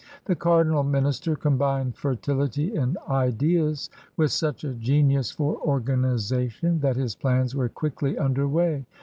The cardinal minister combined fertility in ideas with such a genius for organization that his plans were quickly under way.